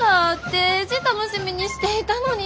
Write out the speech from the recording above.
デージ楽しみにしていたのに。